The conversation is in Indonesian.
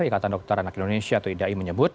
ikatan dokter anak indonesia atau idai menyebut